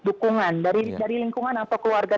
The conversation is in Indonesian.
dukungan dari lingkungan atau keluarga